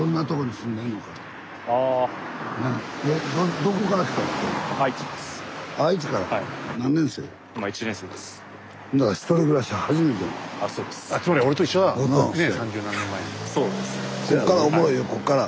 スタジオこっからおもろいよこっから。